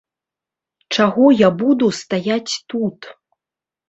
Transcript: Чаго я буду стаяць тут?